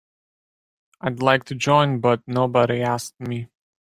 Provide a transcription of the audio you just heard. I'd like to join but nobody asked me.